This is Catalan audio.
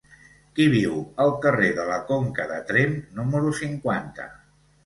Qui viu al carrer de la Conca de Tremp número cinquanta?